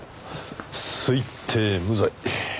推定無罪。